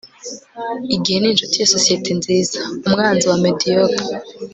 igihe ni inshuti ya sosiyete nziza, umwanzi wa mediocre